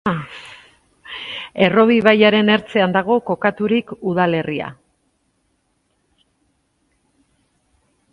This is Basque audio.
Errobi ibaiaren ertzean dago kokaturik udalerria.